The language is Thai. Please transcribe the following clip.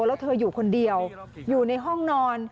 แล้วเธออยู่คนเดียวอยู่ในห้องนอน